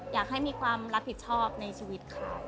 อยากให้มีความรับผิดชอบในชีวิตเขา